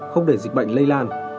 không để dịch bệnh lây lan